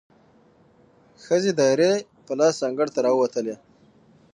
ښځې دایرې په لاس انګړ ته راووتلې،